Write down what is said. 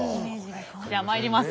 じゃまいります。